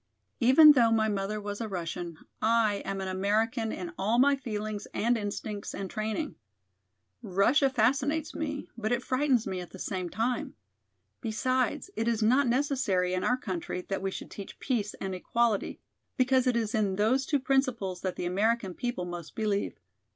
Even though my mother was a Russian, I am an American in all my feelings and instincts and training. Russia fascinates me, but it frightens me at the same time. Besides, it is not necessary in our country that we should teach peace and equality, because it is in those two principles that the American people most believe.